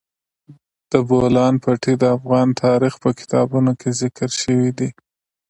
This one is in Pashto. د بولان پټي د افغان تاریخ په کتابونو کې ذکر شوی دي.